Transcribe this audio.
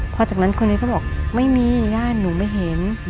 พอจากนั้นคนนี้ก็บอกไม่มีญาติหนูไม่เห็น